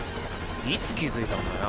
いつ気付いたんだよ。